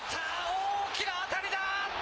大きな当たりだ！